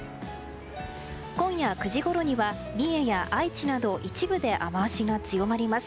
今夜９時ごろには三重や愛知など一部で雨脚が強まります。